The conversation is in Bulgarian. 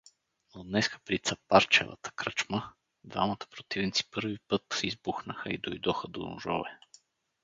Но днеска при Цапарчевата кръчма двамата противници първи път избухнаха и дойдоха до ножове.